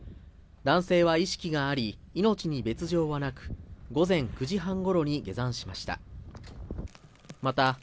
男性は意識があり、命に別条はなく、午前９時半頃に下山しました。